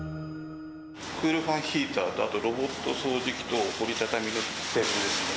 クールファンヒーター、あとロボット掃除機と折り畳みのテーブルですね。